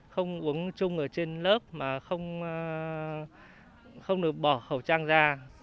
không uống chung ở trên lớp mà không được bỏ khẩu trang ra